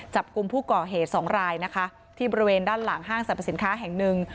จับกลุ่มผู้ก่อเหตุสองรายนะคะที่บริเวณด้านหลังห้างสรรพสินค้าแห่งหนึ่ง